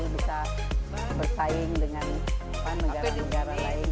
bisa bersaing dengan negara negara lain